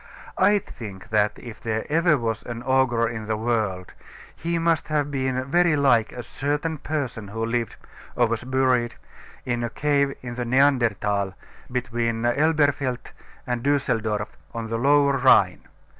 I think that, if ever there was an ogre in the world, he must have been very like a certain person who lived, or was buried, in a cave in the Neanderthal, between Elberfeld and Dusseldorf, on the Lower Rhine.